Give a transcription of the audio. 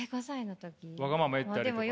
わがまま言ったりとか。